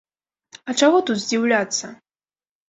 А чаго тут здзіўляцца.